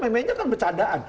mem memnya kan bercandaan